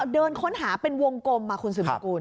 เดินค้นหาเป็นวงกลมคุณสืบสกุล